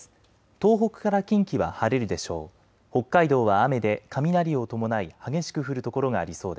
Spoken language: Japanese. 東北から近畿は晴れるでしょう。